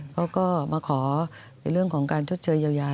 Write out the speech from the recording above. เขาก็มาขอในเรื่องของการชดเชยเยียวยา